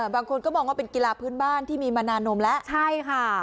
บางคนก็มองว่าเป็นกีฬาพื้นบ้านที่มีมานานนมแล้วใช่ค่ะ